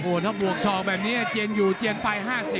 ถ้าบวกศอกแบบนี้เจียงอยู่เจียงไป๕๐